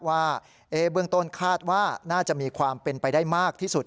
ว่าเบื้องต้นคาดว่าน่าจะมีความเป็นไปได้มากที่สุด